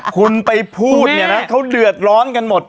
คุณไปพูดเขาเดือดร้อนกันหมด